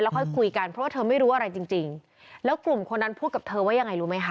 ค่อยคุยกันเพราะว่าเธอไม่รู้อะไรจริงจริงแล้วกลุ่มคนนั้นพูดกับเธอว่ายังไงรู้ไหมคะ